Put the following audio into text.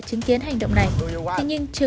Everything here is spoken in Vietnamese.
em không thể làm như thế